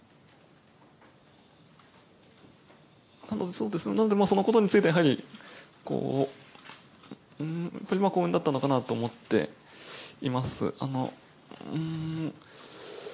そうですね、そのことについてはやはり、幸運だったのかなと思っています。